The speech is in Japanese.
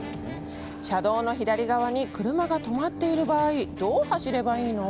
車道の左側に車が止まっている場合、どう走ればいいの？